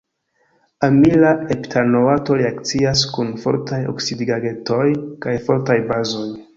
Amila heptanoato reakcias kun fortaj oksidigagentoj kaj fortaj bazoj.